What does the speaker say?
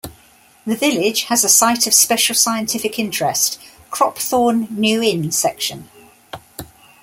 The village has a Site of Special Scientific Interest, Cropthorne New Inn Section.